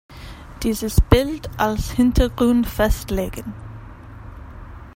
Dieses Bild als Hintergrund festlegen.